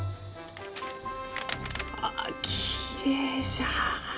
ああきれいじゃ。